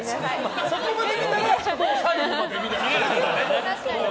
そこまで見たら、最後まで。